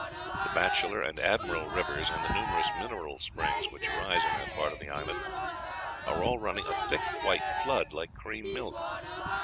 The Bachelor and Admiral rivers, and the numerous mineral springs which arise in that part of the island, are all running a thick white flood, like cream milk.